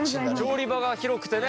調理場が広くてね！